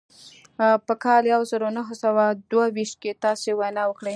په کال يو زر و نهه سوه دوه ويشت کې تاسې وينا وکړه.